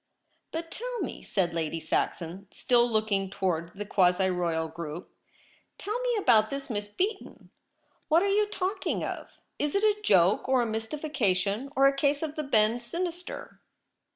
' But tell me,' said Lady Saxon, still looking towards the quasi royal group, 'tell m^e about THE REBEL ROSE. this Miss Beaton. What are you talking of? Is it a joke or a mystification, or a case of the bend sinister